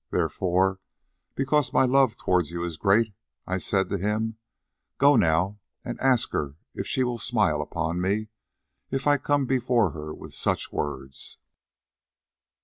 Therefore, because my love towards you is great, I said to him, 'Go now and ask her if she will smile upon me if I come before her with such words.